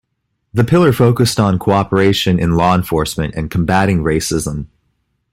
The pillar focused on co-operation in law enforcement and combating racism.